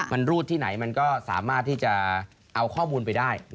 มันรูดที่ไหนมันก็สามารถที่จะเอาข้อมูลไปได้